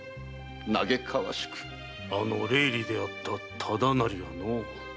あの怜悧であった忠成がのう。